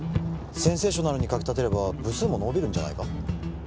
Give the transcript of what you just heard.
センセーショナルに書き立てれば部数も伸びるんじゃないか？